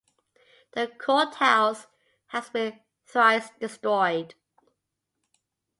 The courthouse has been thrice destroyed.